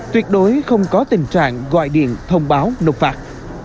tuyệt đối không có tình trạng gọi điện thông báo nộp phạt